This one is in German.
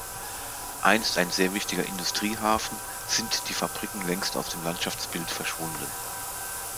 Einst ein sehr wichtiger Industriehafen, sind die Fabriken längst aus dem Landschaftsbild verschwunden.